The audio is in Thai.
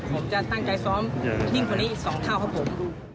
ผมจะตั้งใจซ้อมนิ่งพอนี้สองเท่าครับผม